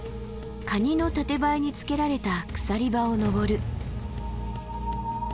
カニのタテバイにつけられた鎖場を登る。